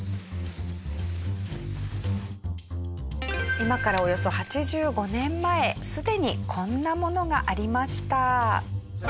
今からおよそ８５年前すでにこんなものがありました。